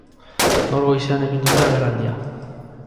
Gaur goizean egin dute agerraldia.